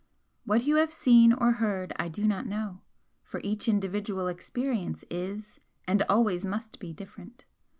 What you have seen or heard I do not know for each individual experience is and always must be different.